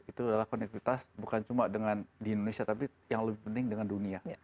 itu adalah konektivitas bukan cuma dengan di indonesia tapi yang lebih penting dengan dunia